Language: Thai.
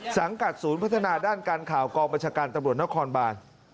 สังกัดศูนย์พัฒนาด้านการข่าวกองบัญชาการตำรวจนครบาน